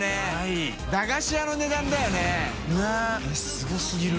すごすぎる。